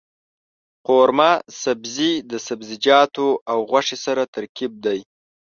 قورمه سبزي د سبزيجاتو او غوښې ښه ترکیب دی.